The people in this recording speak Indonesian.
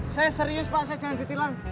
saya serius pak saya jangan ditilang